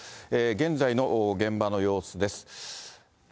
現在の現場の様子です。